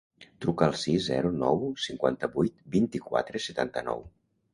Truca al sis, zero, nou, cinquanta-vuit, vint-i-quatre, setanta-nou.